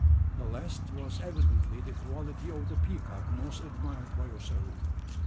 This last was evidently the quality of the peacock most admired by Ossaroo.